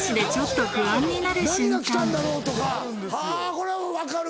これは分かる。